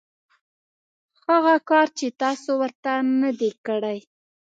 هغه کار چې تاسو ورته نه دی کړی .